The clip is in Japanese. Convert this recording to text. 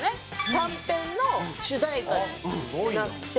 短編の主題歌になって。